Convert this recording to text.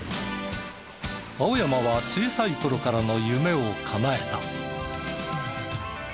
青山は小さい頃からの夢をかなえた。